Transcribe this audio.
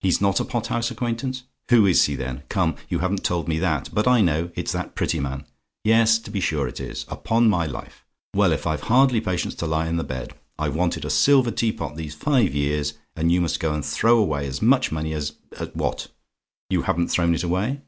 "HE'S NOT A POT HOUSE ACQUAINTANCE? "Who is he, then? Come, you haven't told me that; but I know it's that Prettyman! Yes, to be sure it is! Upon my life! Well, if I've hardly patience to lie in the bed! I've wanted a silver teapot these five years, and you must go and throw away as much money as what? "YOU HAVEN'T THROWN IT AWAY?